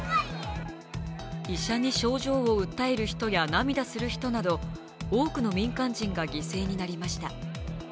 医者に症状を訴える人や涙する人など多くの民間人が犠牲になりました。